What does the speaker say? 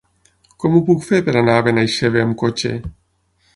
Com ho puc fer per anar a Benaixeve amb cotxe?